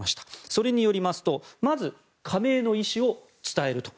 それによりますとまず加盟の意思を伝えると。